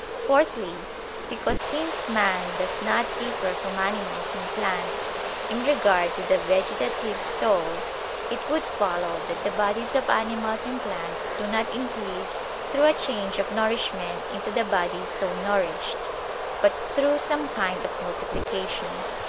Fourthly, because, since man does not differ from animals and plants in regard to the vegetative soul, it would follow that the bodies of animals and plants do not increase through a change of nourishment into the body so nourished, but through some kind of multiplication.